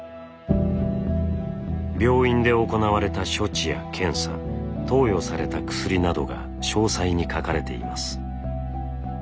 病院で行われた処置や検査投与された薬などが詳細に書かれています。